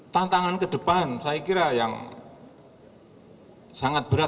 tantangan ke depan saya kira yang sangat berat